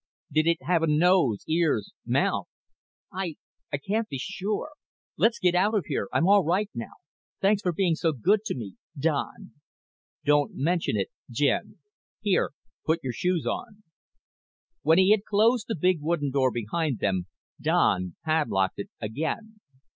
"Did it have a nose, ears, mouth?" "I I can't be sure. Let's get out of here. I'm all right now. Thanks for being so good to me Don." "Don't mention it Jen. Here, put your shoes on." When he had closed the big wooden door behind them, Don padlocked it again.